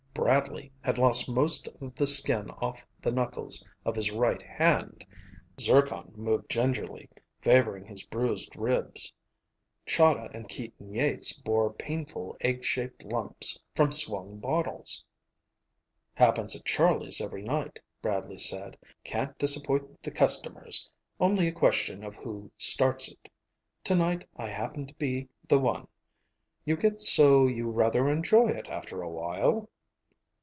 Bradley had lost most of the skin off the knuckles of his right hand. Zircon moved gingerly, favoring his bruised ribs. Chahda and Keaton Yeats bore painful egg shaped lumps from swung bottles. "Happens at Charlie's every night," Bradley said. "Can't disappoint the customers. Only a question of who starts it. Tonight I happened to be the one. You get so you rather enjoy it after a while."